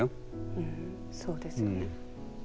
うんそうですよね。